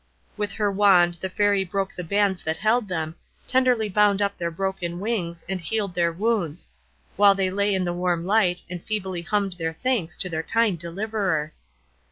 With her wand the Fairy broke the bands that held them, tenderly bound up their broken wings, and healed their wounds; while they lay in the warm light, and feebly hummed their thanks to their kind deliverer.